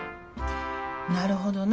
なるほどな。